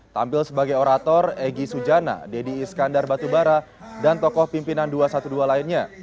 tampil sebagai orator egy sujana deddy iskandar batubara dan tokoh pimpinan dua ratus dua belas lainnya